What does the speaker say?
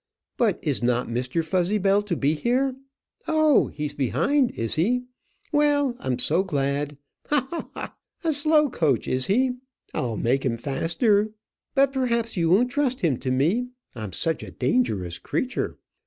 But is not Mr. Fuzzybell to be here? Oh, he's behind is he? well I'm so glad. Ha! ha! ha! A slow coach is he? I'll make him faster. But perhaps you won't trust him to me, I'm such a dangerous creature.